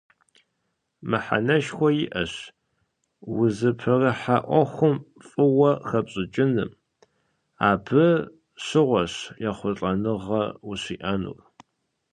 Мыхьэнэшхуэ иӀэщ узыпэрыхьэ Ӏуэхум фӀыуэ хэпщӀыкӀыным, абы щыгъуэщ ехъулӀэныгъэ ущиӀэнур.